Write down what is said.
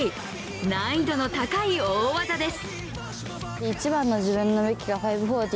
難易度の高い大技です。